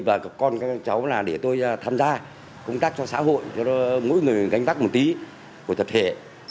và con các cháu là để tôi tham gia công tác cho xã hội cho mỗi người gánh tác một tí của tập thể